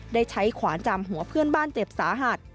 ได้ใช้ขวานจามหัวเพื่อนบ้านเจ็บสาหัส